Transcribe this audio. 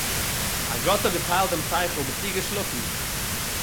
אַז גאָט האָט געטיילט דעם שׂכל ביסטו געשלאָפֿן.